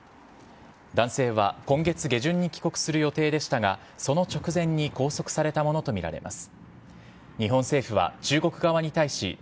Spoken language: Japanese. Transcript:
男性は、今月下旬に帰国する予定でしたが、その直前に拘束されたものと見られます。